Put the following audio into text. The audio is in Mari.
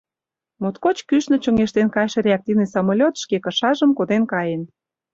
Моткоч кӱшнӧ чоҥештен кайше реактивный самолет шке кышажым коден каен.